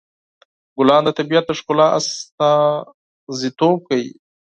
ګلان د طبیعت د ښکلا استازیتوب کوي.